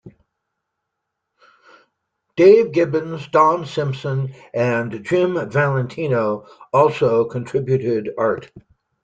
Dave Gibbons, Don Simpson, and Jim Valentino also contributed art.